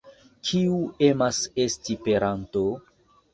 Kiu emas esti peranto?